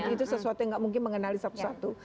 itu sesuatu yang nggak mungkin mengenali satu satu